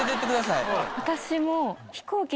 私も。